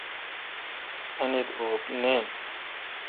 انیت اوپ نین۔